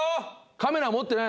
カメラ持ってない。